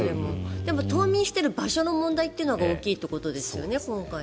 でも冬眠してる場所の問題が大きいということですよね。